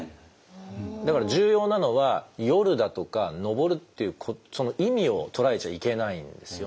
だから重要なのは「夜」だとか「登る」っていうその意味を捉えちゃいけないんですよね。